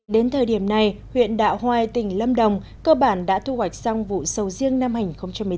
đến thời điểm này huyện đạo hoài tỉnh lâm đồng cơ bản đã thu hoạch xong vụ sầu riêng năm hành một mươi tám